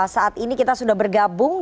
saat ini kita sudah bergabung